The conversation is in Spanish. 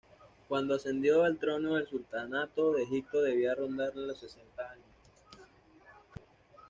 Cuando ascendió al trono del sultanato de Egipto debía rondar los sesenta años.